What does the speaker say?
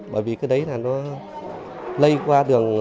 bởi vì cái đấy là nó lây qua đường